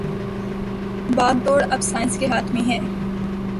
باگ ڈور اب سائنس کے ہاتھ میں ھے